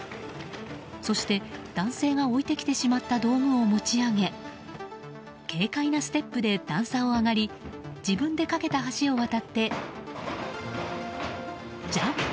そして男性が置いてきてしまった道具を持ち上げ軽快なステップで段差を上がり自分でかけた橋を渡ってジャンプ。